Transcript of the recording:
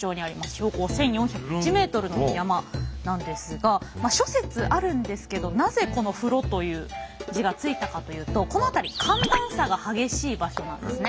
標高１，４０１メートルの山なんですが諸説あるんですけどなぜこの風呂という字が付いたかというとこの辺り寒暖差が激しい場所なんですね。